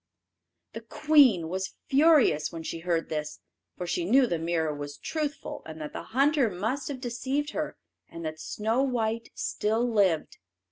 The queen was furious when she heard this, for she knew the mirror was truthful, and that the hunter must have deceived her, and that Snow white still lived.